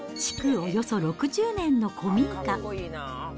およそ６０年の古民家。